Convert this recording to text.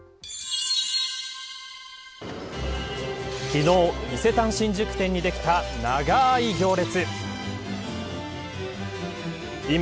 昨日、伊勢丹新宿店にできた長い行列。